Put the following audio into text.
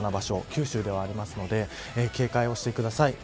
九州ではありますので警戒してください。